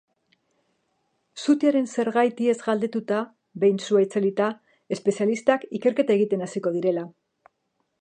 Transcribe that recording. Sutearen zergatiez galdetuta, behin sua itzalita, espezialistak ikerketa egiten hasiko direla.